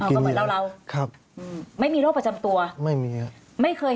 อ๋อก็เป็นเราครับอืมไม่มีโรคประจำตัวไม่มีอะไม่เคย